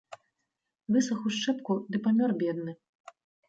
Высах у шчэпку ды памёр бедны.